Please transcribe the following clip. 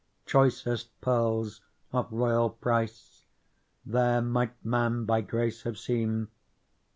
Choicest pearls of royal price. There might man by grace have seen.